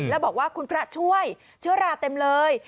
แล้วบอกว่าคุณพระช่วยเชื้อราเต็มเลย